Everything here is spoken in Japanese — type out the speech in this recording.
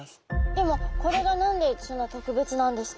でもこれが何でそんな特別なんですか？